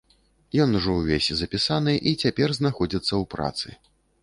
Ён ужо ўвесь запісаны і цяпер знаходзіцца ў працы.